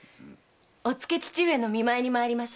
おっつけ父上の見舞いに参ります。